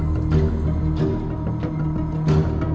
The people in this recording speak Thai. นี่มันเรียกได้